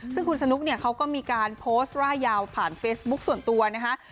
ซึ่งคุณสนุกเนี่ยเขาก็มีการโพสต์ร่ายยาวผ่านเฟซบุ๊คส่วนตัวนะคะ